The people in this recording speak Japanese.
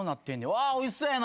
わっおいしそうやな。